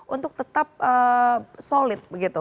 untuk tetap solid